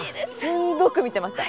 すんごく見てました。